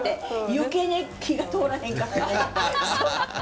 余計に火が通らへんからね。